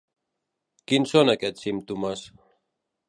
Quins són aquests símptomes?